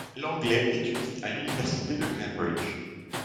Langley étudie à l'université de Cambridge.